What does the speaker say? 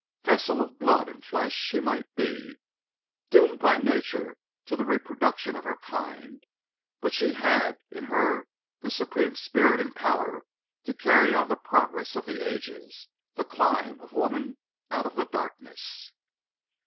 Vessel of blood and flesh she might be, doomed by nature to the reproduction of her kind, but she had in her the supreme spirit and power to carry on the progress of the ages—the climb of woman out of the darkness.